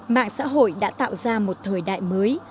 mạng xã hội đã tạo ra một thời đại mới